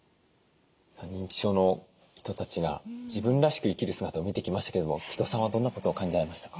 認知症の人たちが自分らしく生きる姿を見てきましたけれども城戸さんはどんなことを感じられましたか？